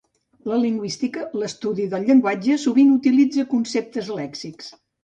La lingüística, l'estudi del llenguatge, sovint utilitza conceptes lèxics.